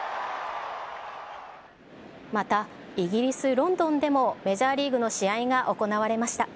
また、イギリス・ロンドンでも、メジャーリーグの試合が行われました。